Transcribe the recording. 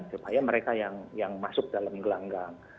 supaya mereka yang masuk dalam gelanggang